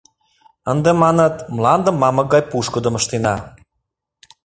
Ынде, маныт, мландым мамык гай пушкыдым ыштена.